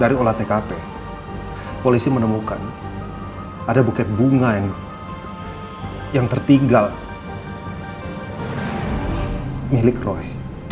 dari olah tkp polisi menemukan ada buket bunga yang yang tertinggal milik roy